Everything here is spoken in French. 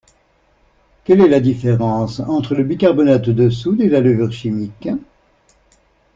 Quelle est la différence entre le bicarbonate de soude et la levure chimique?